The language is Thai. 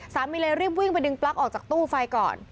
สามีเลยรีบวิ่งไปดึงปลั๊กออกจากตู้ไฟก่อน